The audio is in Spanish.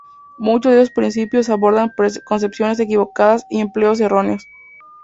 Muchos de estos principios abordan concepciones equivocadas y empleos erróneos.